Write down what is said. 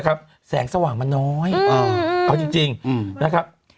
แสงสว่างมันน้อยเอาจริงนะครับ